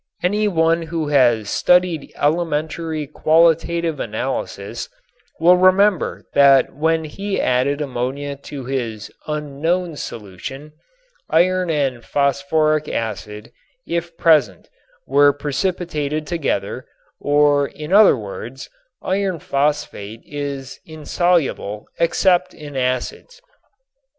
Any one who has studied elementary qualitative analysis will remember that when he added ammonia to his "unknown" solution, iron and phosphoric acid, if present, were precipitated together, or in other words, iron phosphate is insoluble except in acids.